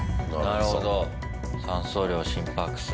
なるほど、酸素量、心拍数。